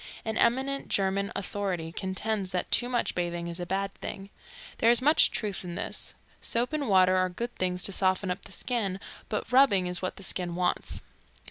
An eminent German authority contends that too much bathing is a bad thing. There is much truth in this. Soap and water are good things to soften up the skin, but rubbing is what the skin wants.